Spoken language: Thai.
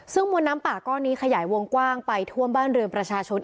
ซึ่งมวลน้ำป่าก้อนนี้ขยายวงกว้างไปท่วมบ้านเรือนประชาชน